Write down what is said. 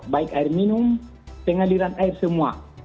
baik air minum pengadiran air semua